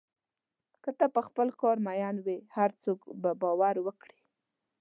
که ته په خپل کار مین وې، هر څوک به باور وکړي.